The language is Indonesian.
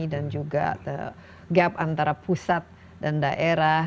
dan juga gap antara pusat dan daerah